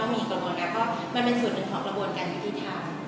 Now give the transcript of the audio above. มันเป็นส่วนหนึ่งของกระบวนการยุทธิธรรม